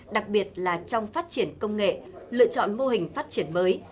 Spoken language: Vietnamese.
đặc biệt là trong phát triển công nghệ lựa chọn mô hình phát triển mới